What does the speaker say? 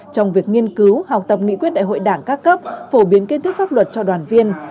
trong việc nghiên cứu học tập nghị quyết đại hội đảng các cấp phổ biến kiến thức pháp luật cho đoàn viên